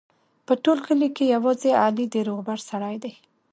په ټول کلي کې یوازې علي د روغبړ سړی دی.